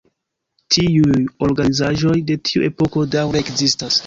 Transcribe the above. Tiuj organizaĵoj de tiu epoko daŭre ekzistas.